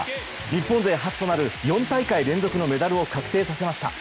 日本勢初となる４大会連続のメダルを確定させました。